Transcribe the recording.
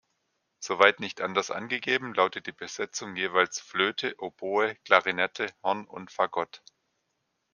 Soweit nicht anders angegeben, lautet die Besetzung jeweils Flöte, Oboe, Klarinette, Horn und Fagott.